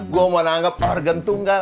gue mau nanggep organ tunggal